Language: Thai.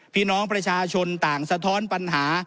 พี่น้องประชาชนต่างสะท้อนปัญหา